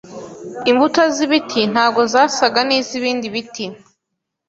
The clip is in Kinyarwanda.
Imbuto z’ibiti ntago zasaga nizibindi bti